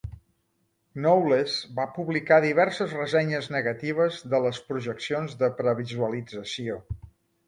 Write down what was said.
Knowles va publicar diverses ressenyes negatives de les projeccions de previsualització.